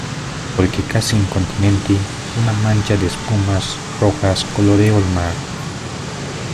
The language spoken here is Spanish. porque casi incontinenti una mancha de espumas rojas coloreó el mar